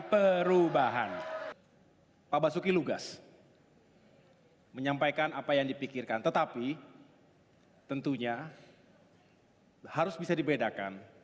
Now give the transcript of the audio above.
perubahan pak basuki lugas menyampaikan apa yang dipikirkan tetapi tentunya harus bisa dibedakan